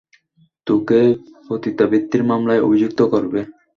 তোকে পতিতাবৃত্তির মামলায় অভিযুক্ত করবে।